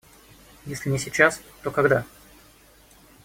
Если не сейчас, то когда?